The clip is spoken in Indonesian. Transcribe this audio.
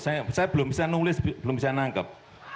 saya belum bisa nulis belum bisa nangkep